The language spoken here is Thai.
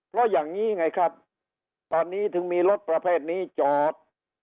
เพราะอย่างนี้ไงครับตอนนี้ถึงมีรถประเภทนี้จอด